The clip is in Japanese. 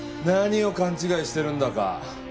何を勘違いしてるんだか。